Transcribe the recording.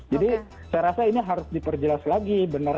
jadi saya rasa ini harus diperjelas lagi benar